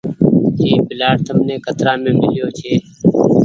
اي پلآٽ تمني ڪترآ مين ميليو ڇي۔